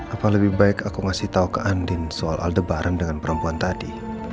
apa lebih baik aku ngasih tau ke andin soal aldebaran dengan perempuan tadi